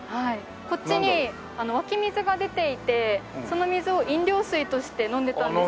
こっちに湧き水が出ていてその水を飲料水として飲んでたんですが。